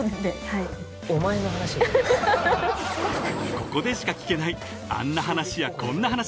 ［ここでしか聞けないあんな話やこんな話］